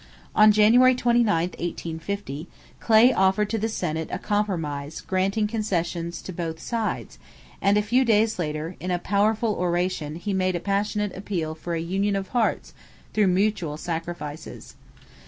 On January 29, 1850, Clay offered to the Senate a compromise granting concessions to both sides; and a few days later, in a powerful oration, he made a passionate appeal for a union of hearts through mutual sacrifices.